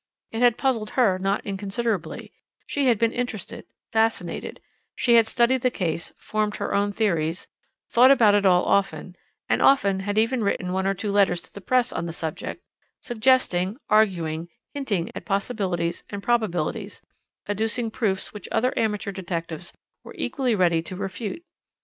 It had puzzled her not inconsiderably; she had been interested, fascinated; she had studied the case, formed her own theories, thought about it all often and often, had even written one or two letters to the Press on the subject suggesting, arguing, hinting at possibilities and probabilities, adducing proofs which other amateur detectives were equally ready to refute.